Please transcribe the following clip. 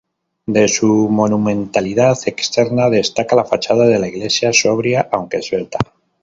De su monumentalidad externa, destaca la fachada de la iglesia, sobria, aunque esbelta.